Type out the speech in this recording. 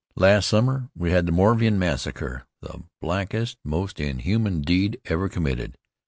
Last summer we had the Moravian Massacre, the blackest, most inhuman deed ever committed.